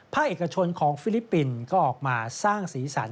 เอกชนของฟิลิปปินส์ก็ออกมาสร้างสีสัน